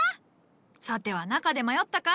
さては中で迷ったか？